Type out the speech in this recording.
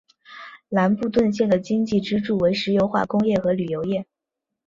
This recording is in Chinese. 兰布顿县的经济支柱为石油化工业和旅游业。